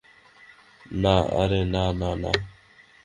না -আরে না, না, না।